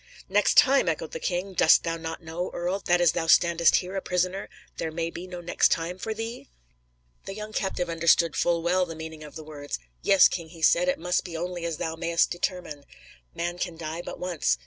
"Next time!" echoed the king; "dost thou not know, earl, that as thou standest there, a prisoner, there may be no 'next time' for thee?" The young captive understood full well the meaning of the words. "Yes, king," he said; "it must be only as thou mayst determine. Man can die but once.